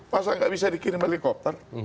masa nggak bisa dikirim helikopter